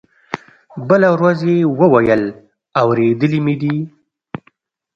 بله ورځ يې وويل اورېدلي مې دي.